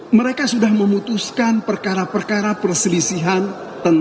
dan juga mereka sudah memutuskan perkara perkara yang harus dilakukan